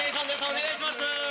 お願いします。